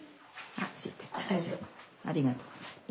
ありがとうございます。